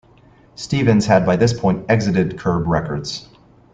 Stevens had by this point exited Curb Records.